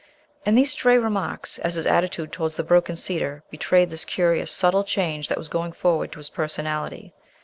And these stray remarks, as his attitude towards the broken cedar, betrayed this curious, subtle change that was going forward to his personality.